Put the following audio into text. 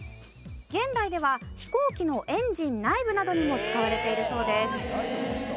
現代では飛行機のエンジン内部などにも使われているそうです。